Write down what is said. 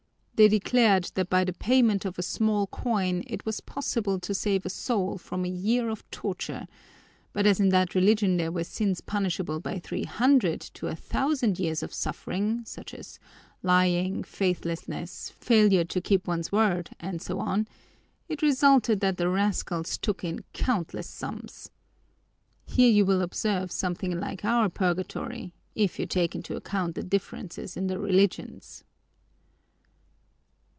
They declared that by the payment of a small coin it was possible to save a soul from a year of torture, but as in that religion there were sins punishable by three hundred to a thousand years of suffering, such as lying, faithlessness, failure to keep one's word, and so on, it resulted that the rascals took in countless sums. Here you will observe something like our purgatory, if you take into account the differences in the religions."